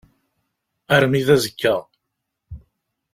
Armi d azekka.